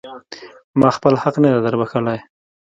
ما خپل حق نه دی در بښلی.